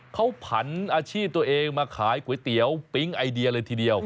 เขาผันอาชีพตัวเองมาขายก๋วยเตี๋ยวปิ๊งไอเดียเลยทีเดียว